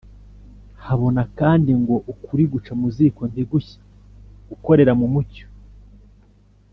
habona" kandi ngo "ukuri guca mu ziko ntigushye." gukorera mu mucyo